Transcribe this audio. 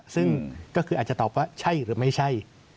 ซึ่งก็คืออาจจะตอบว่าใช่หรือไม่ใช่